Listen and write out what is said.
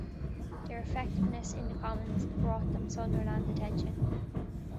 Their effectiveness in the Commons brought them Sunderland's attention.